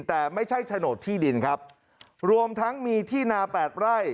แต่ไม่ใช่โฉนดที่ดินครับรวมทั้งมีที่นาแปดไร่